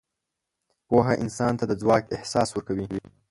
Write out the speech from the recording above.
پوهه انسان ته د ځواک احساس ورکوي.